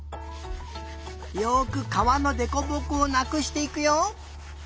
よくかわのでこぼこをなくしていくよ。